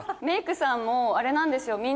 メイクさんもあれなんですよ